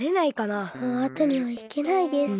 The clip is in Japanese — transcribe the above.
もうあとにはひけないです。